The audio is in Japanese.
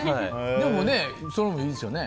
でも、それもいいですよね。